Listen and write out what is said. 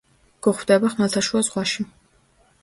გვხვდება ხმელთაშუა ზღვაში.